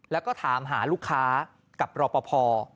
แล้วก็ถามหาลูกค้ากับรอปภ